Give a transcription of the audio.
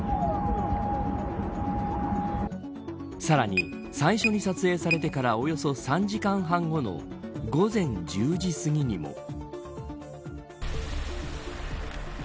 さらに最初に撮影されてからおよそ３時間半後の午前１０時すぎにも。